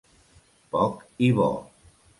Poc i bo.